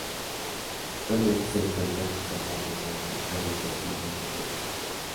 Actualmente se encuentra en su casa realizando rehabilitación domiciliaria.